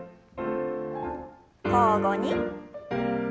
交互に。